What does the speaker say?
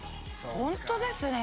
ホントですね。